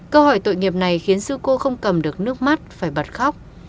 câu hỏi tội nghiệp này khiến sư cô không cầm được nước mắt phải bật khóc